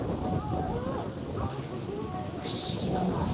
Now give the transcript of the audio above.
あれ不思議だな。